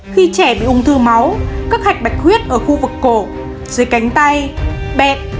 khi trẻ bị ung thư máu các hạch bạch huyết ở khu vực cổ dưới cánh tay bẹt